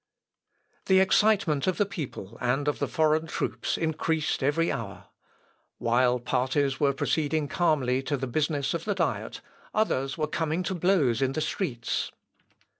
"Verum ego ne apicem quidem revocabo." (Ibid.) The excitement of the people and of the foreign troops increased every hour. While parties were proceeding calmly to the business of the Diet, others were coming to blows in the streets.